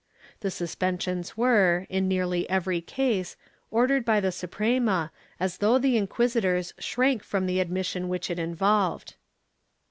The suspensions were, in nearly every case, ordered by the Suprema, as though the inquisitors shrank from the admission which it involved.